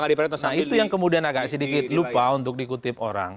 nah itu yang kemudian agak sedikit lupa untuk dikutip orang